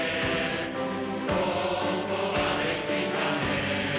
「ここまで来たね」